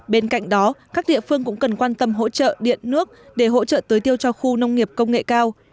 bên cạnh đó các địa phương cũng cần quan tâm hỗ trợ điện nước để hỗ trợ tưới tiêu cho khu nông nghiệp công nghệ cao